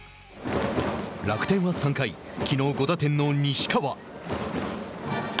楽天は３回きのう５打点の西川。